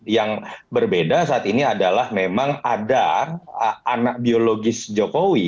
yang berbeda saat ini adalah memang ada anak biologis jokowi